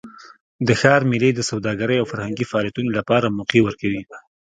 د ښار میلې د سوداګرۍ او فرهنګي فعالیتونو لپاره موقع ورکوي.